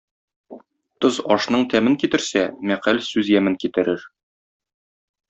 Тоз ашның тәмен китерсә, мәкаль сүз ямен китерер.